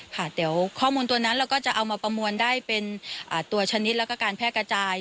ค่ะเดี๋ยวข้อมูลตัวนั้นเราก็จะเอามาประมวลได้เป็นตัวชนิดแล้วก็การแพร่กระจาย